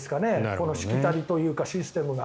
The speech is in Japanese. このしきたりというかシステムが。